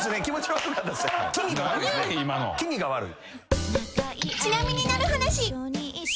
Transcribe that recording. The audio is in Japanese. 気味が悪い。